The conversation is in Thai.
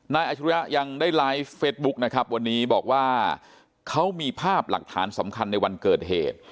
อาชิริยะยังได้ไลฟ์เฟสบุ๊คนะครับวันนี้บอกว่าเขามีภาพหลักฐานสำคัญในวันเกิดเหตุ